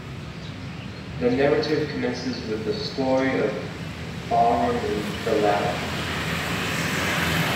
The narrative commences with the story of Bahram and Dilaram.